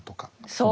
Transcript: そう！